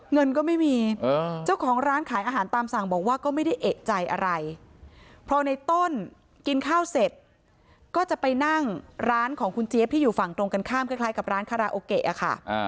เงินก็ไม่มีเจ้าของร้านขายอาหารตามสั่งบอกว่าก็ไม่ได้เอกใจอะไรพอในต้นกินข้าวเสร็จก็จะไปนั่งร้านของคุณเจี๊ยบที่อยู่ฝั่งตรงกันข้ามคล้ายกับร้านคาราโอเกะอะค่ะ